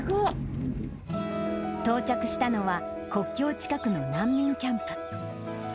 到着したのは、国境近くの難民キャンプ。